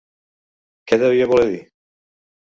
Què devia voler dir?